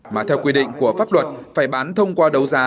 mà theo quy định của pháp luật phải bán thông qua đấu giá